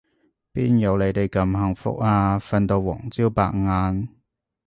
邊有你哋咁幸福啊，瞓到黃朝白晏